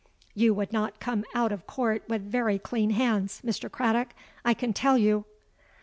You would not come out of court with very clean hands, Mr. Craddock, I can tell you.'